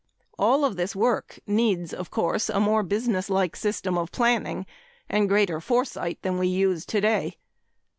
All of this work needs, of course, a more businesslike system of planning and greater foresight than we use today.